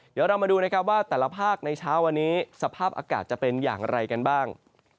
เดี๋ยวเรามาดูนะครับว่าแต่ละภาคในเช้าวันนี้สภาพอากาศจะเป็นอย่างไรกันบ้าง